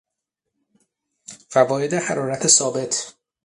فواید حرارت ثابت